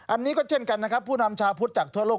อันนี้ก็เช่นกันนะครับผู้นำชาวพุทธจากทั่วโลก